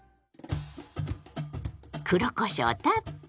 黒こしょうたっぷり！